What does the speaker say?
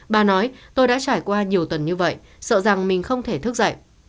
bà nói tôi đã trải qua nhiều tuần như vậy sợ rằng mình không thể thức dậy